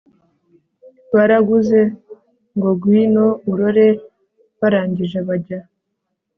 Baraguze ngo gwino urore barangije bajya